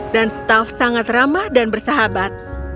dan staff sangat ramah dan bersahabat